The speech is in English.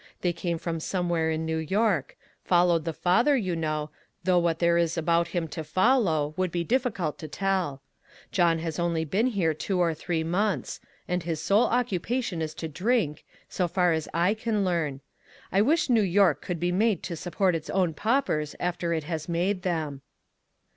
They came from some where in New York ; followed the father, you know, though what there is about him to follow, would be difficult to tell. John 232 ONE COMMONPLACE DAY. has only been here two or three months, and his sole occupation is to drink, so far as I can learn. I wish New York could be made to support its own paupers after it has made them."